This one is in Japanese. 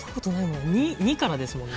「に」からですもんね。